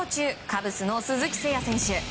カブスの鈴木誠也選手。